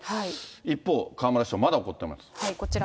一方、河村市長、まだ怒ってこちら。